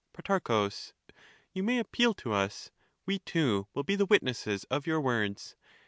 Pro. You may appeal to us ; we too will be the witnesses of your words.